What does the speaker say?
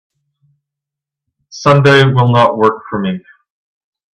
Sunday will not work for me.